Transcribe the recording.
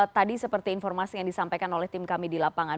tadi seperti informasi yang disampaikan oleh tim kami di lapangan